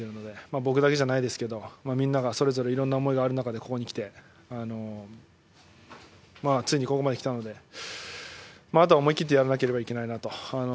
僕だけじゃないですがみんながそれぞれいろんな思いがある中でここに来てついにここまできたのであとは思い切ってやらなければいけないなと。